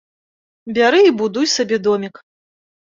Бяры і будуй сабе домік.